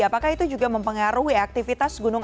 apakah itu juga mempengaruhi aktivitas yang lain